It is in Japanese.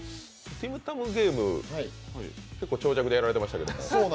ティムタムゲーム、結構、長尺でやられていましたけれども？